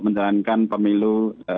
menjalankan pemilu dua ribu dua puluh empat